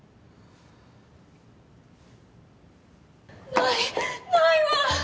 ないないわ！